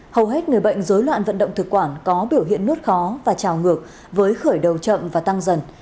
hầu hết người bệnh dối loạn vận động thực quản có biểu hiện nốt khó và trào ngược với khởi đầu chậm và tăng dần